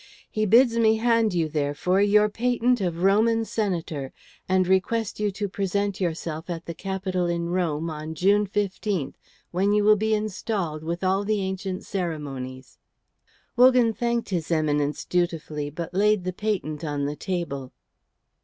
He bids me hand you, therefore, your patent of Roman Senator, and request you to present yourself at the Capitol in Rome on June 15, when you will be installed with all the ancient ceremonies." Wogan thanked his Eminence dutifully, but laid the patent on the table.